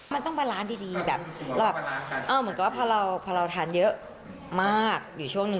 มันต้องเป็นร้านดีแบบเราแบบเหมือนกับว่าพอเราทานเยอะมากอยู่ช่วงนึง